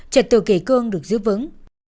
trật tự kể cương được giữ vững